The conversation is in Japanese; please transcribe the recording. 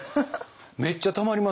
めっちゃたまりますよ。